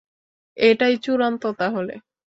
এটাই চূড়ান্ত তাহলে।